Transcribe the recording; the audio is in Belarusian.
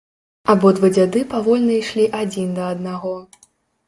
Абодва дзяды павольна ішлі адзін да аднаго.